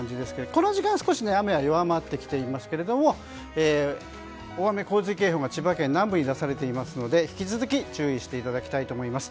この時間は少し雨は弱まってきていますが大雨・洪水警報が千葉県南部に出されていますので引き続き、注意していただきたいと思います。